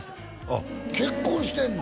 あっ結婚してんの？